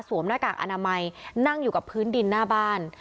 หน้ากากอนามัยนั่งอยู่กับพื้นดินหน้าบ้าน